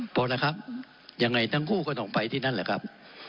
พอแล้วครับยังไงทั้งคู่ก็ต้องไปที่นั่นแหละครับ